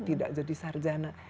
tidak jadi sarjana